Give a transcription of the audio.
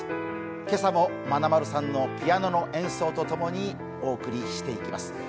今朝もまなまるさんのピアノの演奏とともにお送りしていきます。